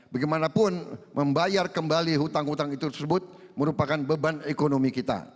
bagaimanapun membayar kembali hutang hutang itu tersebut merupakan beban ekonomi kita